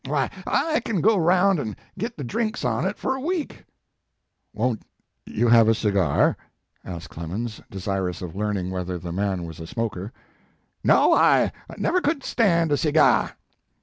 Wy, I can go around an git the drinks on it for a week." 4 Won t you have a cigar?" asked Clemens, desirous of learning whether the man was a smoker. u No, I never could stand a seeggah."